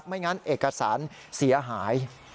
ไม่งั้นเอกสารเสียหาย